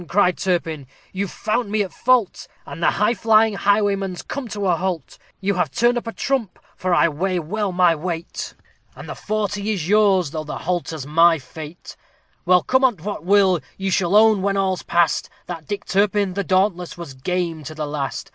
cried Turpin, "you've found me at fault, And the highflying highwayman's come to a halt; You have turned up a trump for I weigh well my weight, And the forty is yours, though the halter's my fate. Well, come on't what will, you shall own when all's past, That Dick Turpin, the Dauntless, was game to the last.